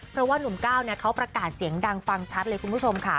เพราะว่านุ่มก้าวเขาประกาศเสียงดังฟังชัดเลยคุณผู้ชมค่ะ